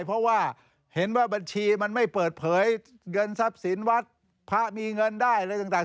เพราะว่าเห็นว่าบัญชีมันไม่เปิดเผยเงินทรัพย์สินวัดพระมีเงินได้อะไรต่าง